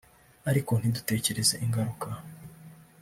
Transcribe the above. ariko ntidutekereze ingaruka